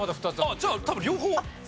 じゃあ多分両方。